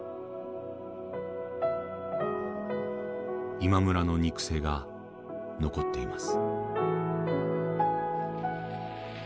今村の肉声が残っています。